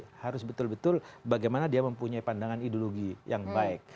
harus betul betul bagaimana dia mempunyai pandangan ideologi yang baik